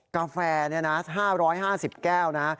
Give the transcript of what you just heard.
กาแฟนี่นะ๕๕๐แก้วนะ